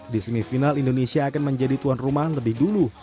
di semifinal indonesia akan menjadi tuan rumah lebih dulu